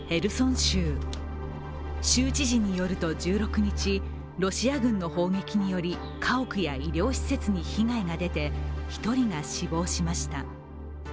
州知事によると１６日、ロシア軍の砲撃により家屋や医療施設に被害が出て１人が死亡しました。